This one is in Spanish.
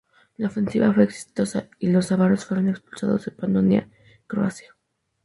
La ofensiva fue exitosa y los ávaros fueron expulsados de Panonia Croacia.